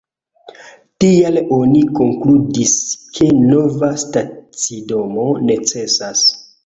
Tial oni konkludis ke nova stacidomo necesas.